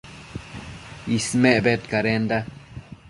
Ismec bedcadenda